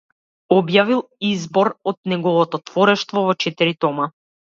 Објавил избор од неговото творештво во четири тома.